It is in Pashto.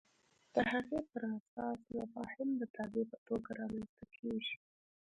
د هغې پر اساس مفاهیم د تابع په توګه رامنځته کېږي.